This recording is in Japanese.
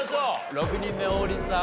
６人目王林さん